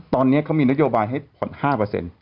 ตอนนี้เขามีนโยบายให้ผ่อน๕